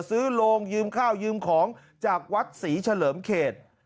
โรงยืมข้าวยืมของจากวัดศรีเฉลิมเขต